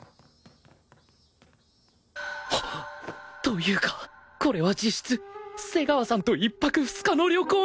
というかこれは実質瀬川さんと１泊２日の旅行なのでは！？